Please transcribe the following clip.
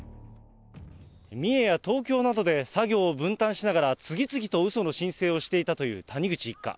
三重や東京などで作業を分担しながら、次々とうその申請をしていたという谷口一家。